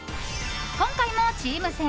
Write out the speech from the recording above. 今回もチーム戦。